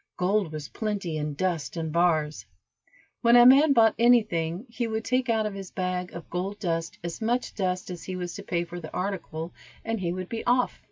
Gold was plenty in dust and bars. When a man bought any thing he would take out of his bag of gold dust as much dust as he was to pay for the article, and he would be off.